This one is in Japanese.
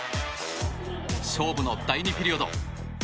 勝負の第２ピリオド。